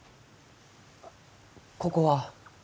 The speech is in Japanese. ここは？